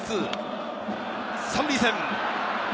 ３塁線。